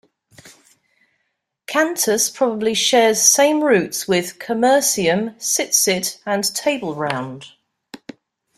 Cantus probably shares same roots with Commercium, Sitsit and Tableround.